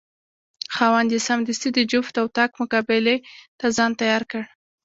خاوند یې سمدستي د جفت او طاق مقابلې ته ځان تیار کړ.